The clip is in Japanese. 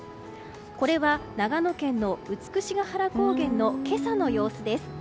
これは長野県の美ヶ原高原の今朝の様子です。